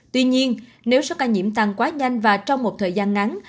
tuy nhiên nếu số ca nhiễm tăng quá nhanh và trong một thời gian ngắn